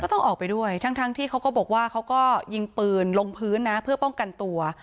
ต้องออกไปด้วยทั้งที่เขาก็บอกว่าเขาก็ยิงปืนลงพื้นนะเพื่อป้องกันตัว